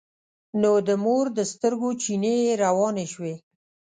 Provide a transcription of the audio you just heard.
نو د مور د سترګو چينې يې روانې شوې.